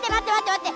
待って！